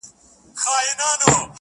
رنگ په رنگ خوږې میوې او خوراکونه!!